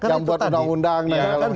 yang buat undang undang